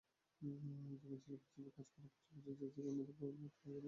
বিমানচালক হিসেবে কাজ করার পাশাপাশি জেসিকা অন্যদের অনুপ্রেরণা দিতে বিশ্বব্যাপী কাজ করে যাচ্ছেন।